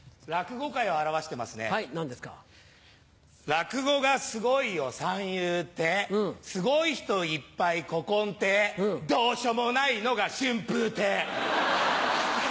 落語がすごいよ三遊亭すごい人いっぱい古今亭どうしようもないのが春風亭。